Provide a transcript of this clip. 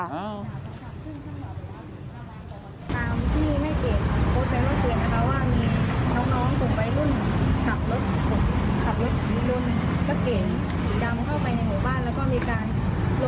อ้าว